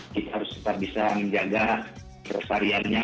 kita harus tetap bisa menjaga kesariannya